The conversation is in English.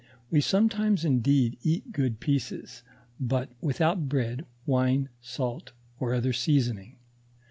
We sometimes indeed eat good pieces, but without bread, wine, salt, or other seasoning.